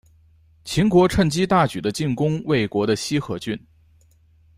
秦国趁机大举的进攻魏国的西河郡。